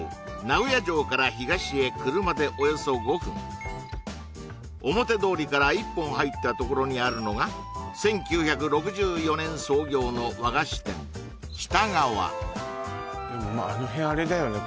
名古屋城から東へ車でおよそ５分表通りから一本入った所にあるのが１９６４年創業の和菓子店きた川でもまああの辺あれだよね